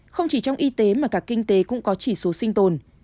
không chỉ trong y tế mà cả kinh tế cũng có chỉ số sinh tồn